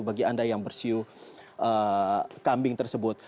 bagi anda yang bersiu kambing tersebut